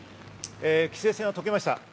規制線は解けました。